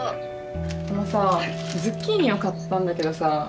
あのさズッキーニを買ったんだけどさ。